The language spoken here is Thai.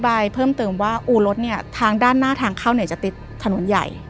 จากนั้นน่ะแพ้ก็เลยบอกว่าโอเคถ้าอย่างนั้นเราขอดูอู๋รถเธอหน่อยนะ